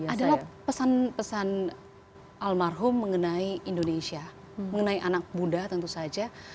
adalah pesan pesan almarhum mengenai indonesia mengenai anak muda tentu saja